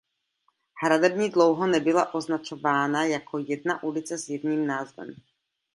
Hradební dlouho nebyla označována jako jedna ulice s jedním názvem.